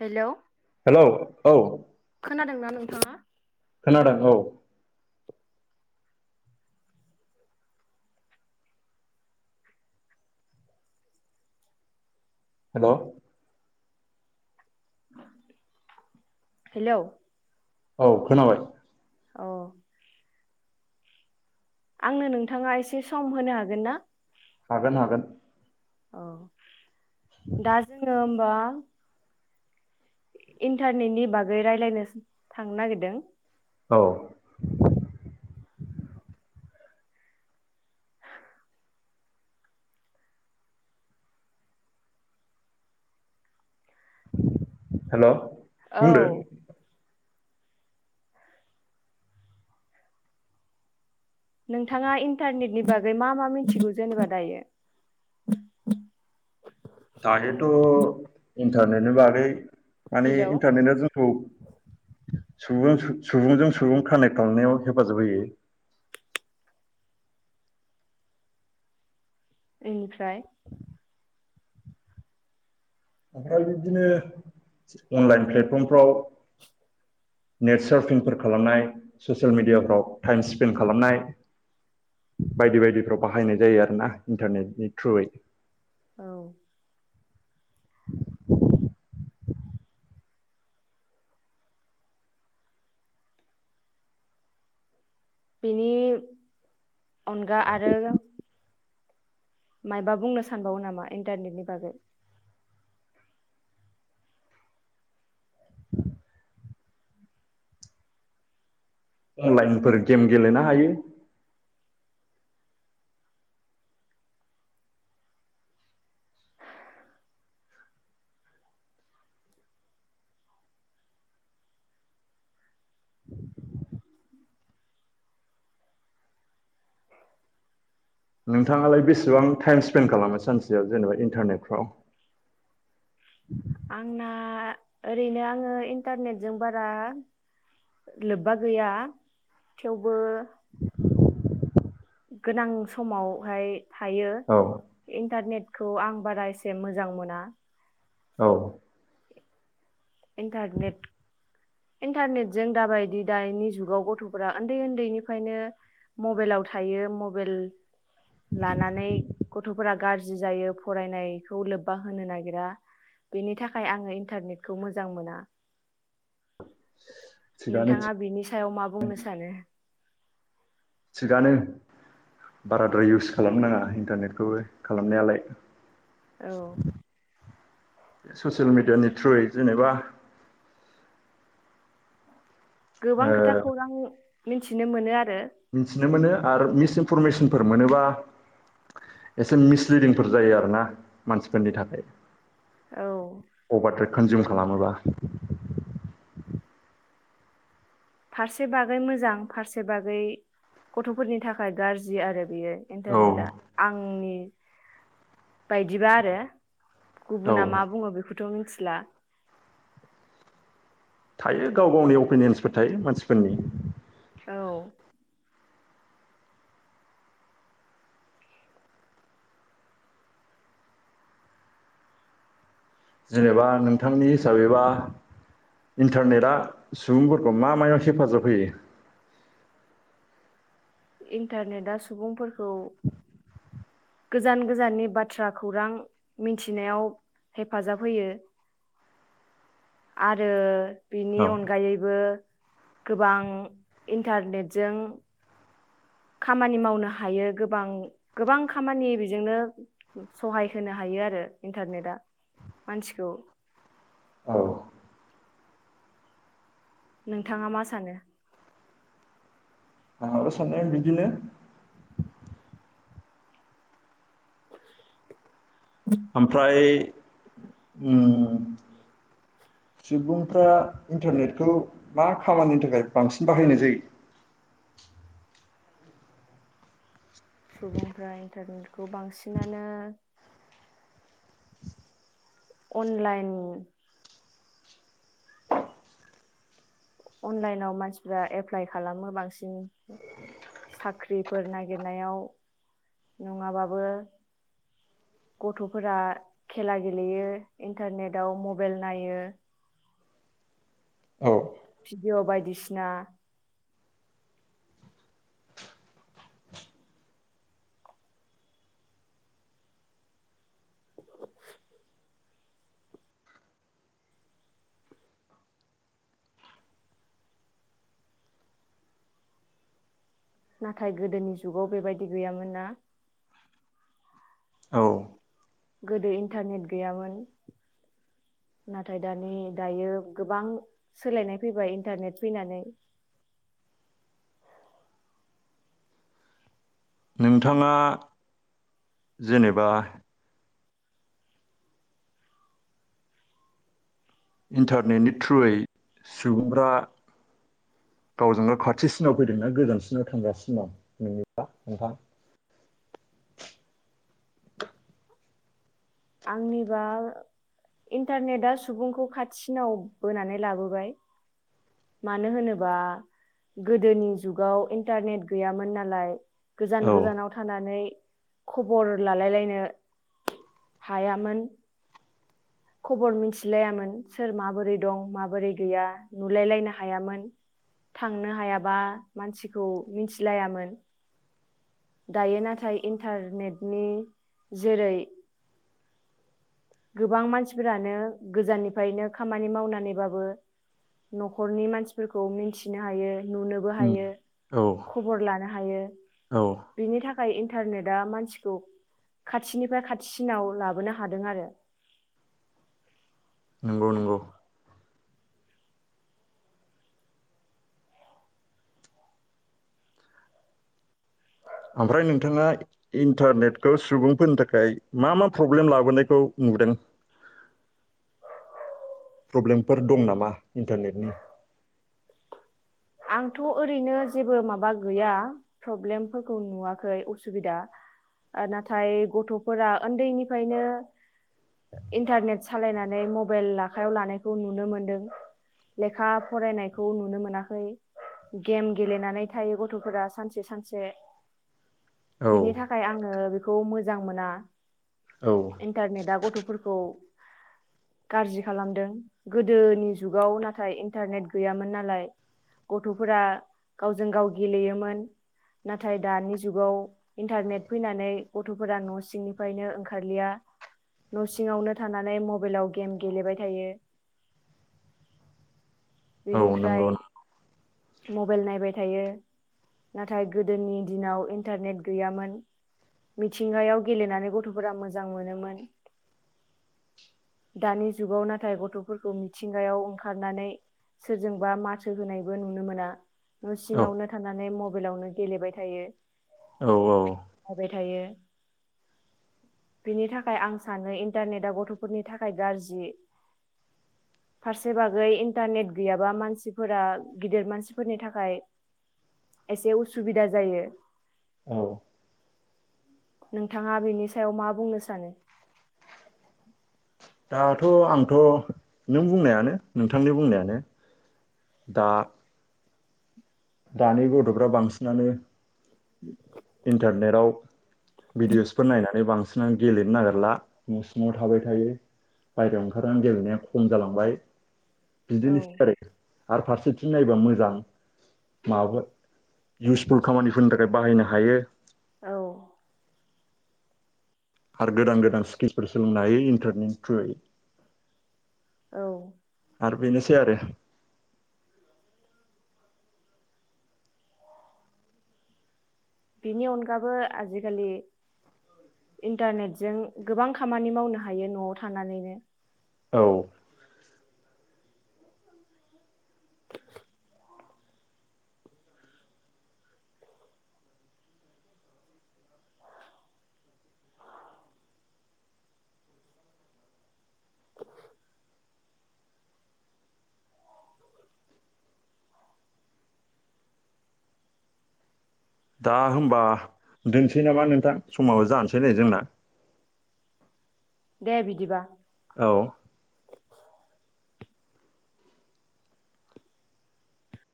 Hello hello औ खोनादोंना नोंथाङा खोनादों औ हेल' हेलौ औ खोनाबाय अ आंनो नोंथाङा एसे सम होनो हागोन ना हागोन हागोन अ दा जोङो होमबा इन्टारनेटनि बागै रायलायनोस थांनो नागिरदों औ हेल' औ बुंदो नोंथाङा इन्टारनेटनि बागै मा मा मिनथिगौ जेनेबा दायो दायोथ' इन्टारनेटनि बागै माने हेलौ इन्टारनेटआ जोंथ सुबुं सुबुंजों सुबुं कानेक्ट खालामनायाव हेफाजाब होयो एनिफ्राय ओमफ्राय बिबदिनो अनलाइन प्लेटफर्मफ्राव नेट सार्फिंफोर खालामनाय ससियेल मिडियाफ्राव टाइम स्पेन्ड खालामनाय बायदि बायदिफ्राव बाहायनाय जायो आरोना इन्टारनेटनि थ्रुयै औ बिनि अनगा आरो मायबा बुंनो सानबावो नामा इन्टारनेटनि बागै अनलाइनफोर गेम गेलेनो हायो [inaudible] नोंथाङालाय बेसेबां टाइम स्पेन्ड खालामो सानसेयाव जेनेबा इन्टारनेटफ्राव आंना ओरैनो आङो इन्टारनेटजों बारा लोब्बा गैया थेवबो [inaudible] गोनां समावहाय थायो औ इन्टारनेट खौ आं बारा एसे मोजां मोना औ इन्टारनेट इन्टारनेटजों दाबायदि दाइनि जुगाव गथ'फोरा उन्दै उन्दैनिफ्रायनो मबेइलाव थायो मबेइल लानानै गथ'फोरा गाज्रि जायो फरायनायखौ लोब्बा होनो नागिरा बेनि थाखाय आङो इन्टारनेट खौ मोजां मोना थिगानो नोंथाङा बिनि सायाव मा बुंनो सानो थिगानो बाराद्राय इउस खालाम नाङा इन्टारनेटखौबो खालामनायालाय औ [inaudible] ससियेल मिडियानि थ्रुयै जेनेबा गोबां खोथा खौरां मिनथिनो मोनो आरो मिनथिनो मोनो आरो मिस इनफरमेसनफोर मोनोबा एसे मिसलिडिंफोर जायो आरोना मानसिफोरनि थाखाय औ अबारटेक कन्जुम खालामोबा फारसे बागै मोजां फारसे बागै गथ'फोरनि थाखाय गाज्रि आरो बियो औ इन्टारनेटआ आंनि बायदिबा आरो औ गुबुना मा बुङो बेखौ थ' मिनथिला थायो गाव गावनि अपिनियन्सफोर थायो मानसिफोरनि औ जेनेबा नोंथांनि हिसाबैबा इन्टारनेटआ सुबुंफोरखौ मा मायाव हेफाजाब होयो इन्टारनेटा सुबुंफोरखौ गोजान गोजाननि बाथ्रा खौरां मिनथिनायाव हेफाजाब होयो आरो औ बिनि अनगायैबो गोबां इन्टारनेटजों खामानि मावनो हायो गोबां गोबां खामानि बेजोंनो सहाय होनो हायो आरो इन्टारनेटआ मानसिखौ औ नोंथाङा मा सानो? आंहाबो साननाया बिदिनो ओमओमफ्राय उम सुबुंफ्रा इन्टारनेटखौ मा खामानिनि थाखाय बांसिन बाहायनाय जायो? सुबुंफ्रा इन्टारनेटखौ बांसिनानो अनलाइन अनलाइनाव मानसिफ्रा एप्लाइ खालामो बांसिन साख्रिफोर नागिरनायाव नङाबाबो गथ'फोरा खेला गेलेयो इन्टारनेटाव मबेल नायो औ भिडिअ' बायदिसिना [unintelligible] नाथाय गोदोनि जुगाव बेबायदि गैयामोन ना औ गोदो इन्टारनेट गैयामोन नाथाय दानि दायो गोबां सोलायनाय फैबाय इन्टारनेट फैनानै नोंथाङा जेनेबा इन्टारनेटनि थ्रुयै सुबुंफ्रा गावजों गाव खाथिसिनाव फैदोंना गोजानसिनाव थांगासिनो दं नोंनिबा नोंथां आंनिबा इन्टारनेटआ सुबुंखौ खाथिसिनाव बोनानै लाबोबाय मानो होनोबा गोदोनि जुगाव इन्टारनेट गैयामोन नालाय गोजान औ गोजानाव थानानै खबर लालायलायनो हायामोन खबर मिथिलायामोन सोर माबोरै दं माबोरै गैया नुलायलायनो हायामोन थांनो हायाबा मानसिखौ मिथिलायामोन दायो नाथाय इन्टारनेटनि जेरै गोबां मानसिफोरानो गोजाननिफ्रायनो खामानि मावनानैबाबो न'खरनि मानसिफोरखौ मिनथिनो हायो नुनोबो हायो औ खबर लानो हायो औ बिनि थाख इन्टारनेटआ मानसिखौ खाथिनिफ्राय खाथिसिनाव लाबोनो हादों आरो नंगौ नंगौ ओमफ्राय नोंथाङा इन्टारनेटखौ सुबुंफोरनि थाखाय मा मा प्रब्लेम लाबोनायखौ नुदों प्रब्लेमफोर दं नामा इन्टारनेटनि? आंथ' ओरैनो जेबो माबा गैया प्रब्लेमफोरखौ नुवाखै असुबिदा नाथाय गथ'फोरा उन्दैनिफ्रायनो इन्टारनेट सालायनानै मबाइल आखायाव लानायखौ नुनो मोनदों लेखा फरायनायखौ नुनो मोनाखै। गेम गेलेनानै थायो गथ'फोरा सानसे सानसे। औ बिनि थाखाय आङो बे खौ मोजां मोना। औ इन्टारनेट आ गथ'फोरखौ गाज्रि खालामदों गोदोनि जुगाव नाथाय इन्टारनेट गैयामोन नालाय। गथ'फोरा गावजों गाव गेलेयोमोन नाथाय दानि जुगाव इन्टारनेट फैनानै गथ'फोरा न' सिंनिफ्रायनो ओंखारलिया न' सिङावनो थानानै मबाइलाव गेम गेलेबाय थायो। औ नंगौ बेनिफ्राय मबाइल नायबाय थायो नाथाय गोदोनि दिनाव इन्टारनेट गैयामोन मिथिंगायाव गेलेनानै गथ'फोरा मोजां मोनोमोन दानि जुगाव नाथाय गथ'फोरखौ मिथिंगायाव ओंखारनानै सोरजोंबा माथो होनायबो नुनो मोना न' औ सिङावनो थानानै मबाइलावनो गेलेबाय थायो। औ औ थायो बिनि थाखाय आं सानो इन्टारनेटआ गथ'फोरनि थाखाय गाज्रि फारसे बागै इन्टारनेट गैयाबा मानसिफोरा गिदिर मानसिफोरनि थाखाय एसे उसुबिदा जायो। औ नोंथाङा बिनि सायाव मा बुंनो सानो? दाथ' आंथ' नों बुंनायानो नोंथांनि बुंनायानो दा दानि गथ'फ्रा बांसिनानो इन्टारनेटाव भिडिअसफोर नायनानै बांसिन सिना गेलेनो नागिरला न' सिङाव थाबाय थायो बाहेरायाव ओंखारनानै गेलेनाया खम जालांबाय। औ बिदिनोसै आरो आरो फारसेथिं नायबा मोजां माबा इउसफुल खामानिफोरनि थाखाय बाहायनो हायो। औ आरो गोदान गोदान स्किमफोर सोलोंनो हायो इन्टारनेट थ्रुयै। औ आरो बेनोसै आरो बेनि अनगाबो आजिखालि इन्टारनेटजों गोबां खामानि मावनो हायो न'आव थानानैनो ‌। औ [unintelligible] दा होनबा दोनसै नामा नोंथां समाबो जानोसै नै जोंना। दे बिदिबा औ